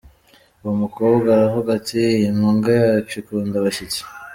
Uwo mukobwa aravuga ati"Iyi mbwa yacu ikunda abashyitsi".